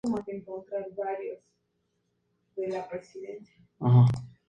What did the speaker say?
Además, todos los subsistemas deben ser seguros y funcionar adecuadamente.